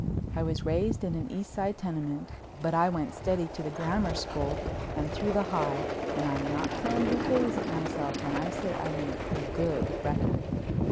I was raised in an East Side tenement, but I went steady to the Grammar school and through the High and I'm not throwing bouquets at myself when I say I made a good record.